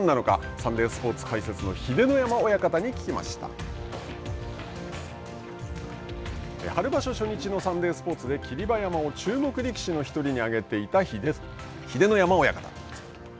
サンデースポーツ解説の春場所初日のサンデースポーツで霧馬山を注目力士の一人に挙げていた秀ノ山親方。